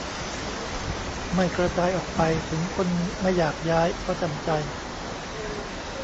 ไม่กระจายออกไป ถึงคนไม่อยากย้ายก็จำใจ